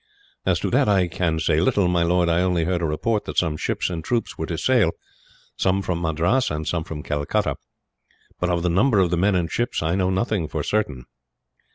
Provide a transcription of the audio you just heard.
"As to that I can say little, my lord. I only heard a report that some ships and troops were to sail some from Madras and some from Calcutta but of the number of the men and ships, I know nothing for certain."